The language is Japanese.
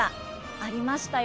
ありましたよ。